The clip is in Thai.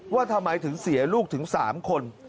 ว่าทำไมถึงเสียลูกถึง๓คน